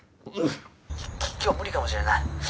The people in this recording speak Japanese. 「今日は無理かもしれない」